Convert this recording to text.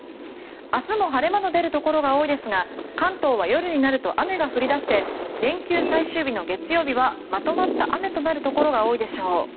明日も晴れ間の出るところが多いですが関東は夜になると雨が降り出して連休最終日の月曜日はまとまった雨となるところが多いでしょう。